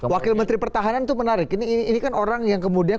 wakil menteri pertahanan itu menarik ini kan orang yang kemudian